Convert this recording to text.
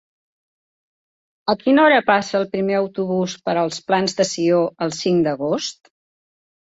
A quina hora passa el primer autobús per els Plans de Sió el cinc d'agost?